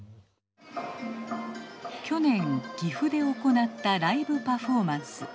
去年岐阜で行ったライブパフォーマンス。